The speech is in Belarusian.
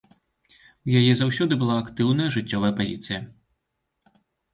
У яе заўсёды бала актыўная жыццёвая пазіцыі.